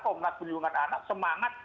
komnak perlindungan anak semangat